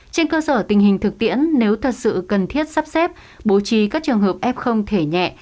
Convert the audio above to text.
trên cơ sở tình hình thực tiễn nếu thật sự cần thiết sắp xếp bố trí các trường hợp f thể nhẹ